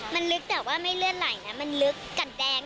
มันลึกแต่ว่าไม่เลือดไหลนะมันลึกกับแดง